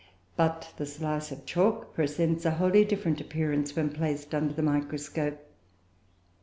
But the slice of chalk presents a totally different appearance when placed under the microscope.